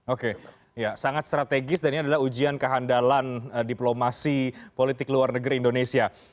oke ya sangat strategis dan ini adalah ujian kehandalan diplomasi politik luar negeri indonesia